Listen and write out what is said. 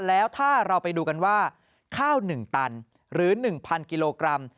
แล้วถ้าเราไปดูกันว่าข้าว๑ตันหรือ๑๐๐กิโลกรัม